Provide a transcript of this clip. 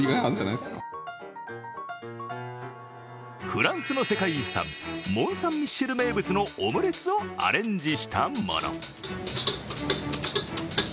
フランスの世界遺産、モン・サン・ミシェルの名物のオムレツをアレンジしたもの。